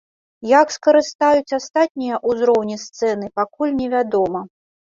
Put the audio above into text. Як скарыстаюць астатнія ўзроўні сцэны пакуль невядома.